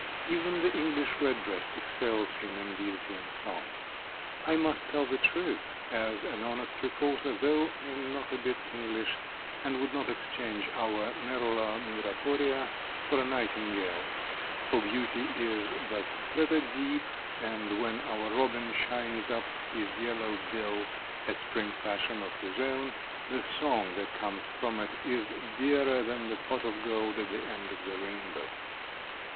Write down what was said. Even the English redbreast excels him in beauty and song. I must tell the truth, as an honest reporter, though I am not a bit English, and would not exchange our Merula migratoria for a nightingale; for beauty is but feather deep, and when our robin shines up his yellow bill a spring fashion of his own the song that comes from it is dearer than the pot of gold at the end of the rainbow.